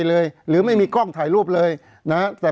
เพราะฉะนั้นประชาธิปไตยเนี่ยคือการยอมรับความเห็นที่แตกต่าง